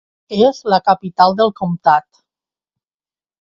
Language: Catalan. És la capital del comtat.